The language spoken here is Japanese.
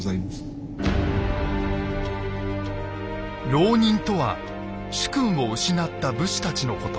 「牢人」とは主君を失った武士たちのこと。